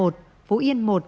phú yên một